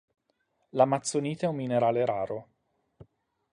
L'Amazzonite è un minerale raro.